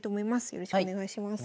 よろしくお願いします。